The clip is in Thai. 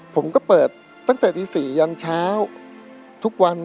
ผมก็เปิดตั้งแต่ที่๔ยันเช้า